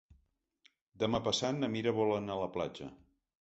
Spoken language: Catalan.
Demà passat na Mira vol anar a la platja.